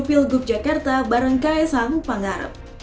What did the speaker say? pilgub jakarta bareng ksang pangarep